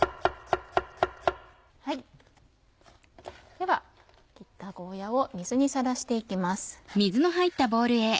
では切ったゴーヤを水にさらして行きます。